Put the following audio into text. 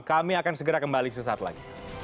kami akan segera kembali sesaat lagi